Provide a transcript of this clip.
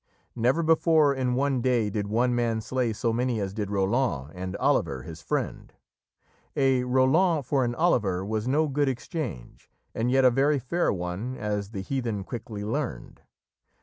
Never before, in one day, did one man slay so many as did Roland and Oliver his friend "A Roland for an Oliver" was no good exchange, and yet a very fair one, as the heathen quickly learned.